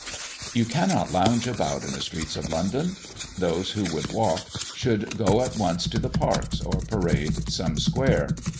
You cannot lounge about in the streets of London. Those who would walk, should go at once to the parks, or parade some square.